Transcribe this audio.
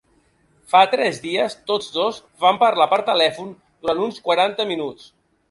Fa tres dies, tots dos van parlar per telèfon durant uns quaranta minuts.